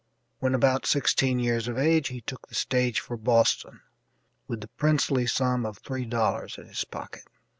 When about sixteen years of age he took the stage for Boston, with the princely sum of three dollars in his pocket.